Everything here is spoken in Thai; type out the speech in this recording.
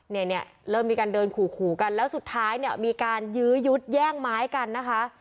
เนี่ยเนี่ยเริ่มมีการเดินขู่ขู่กันแล้วสุดท้ายเนี่ยมีการยื้อยุดแย่งไม้กันนะคะ